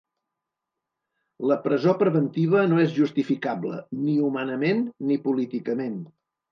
La presó preventiva no és justificable, ni humanament ni políticament.